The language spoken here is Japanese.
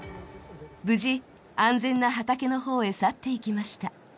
無事、安全な畑の方へ去っていきました。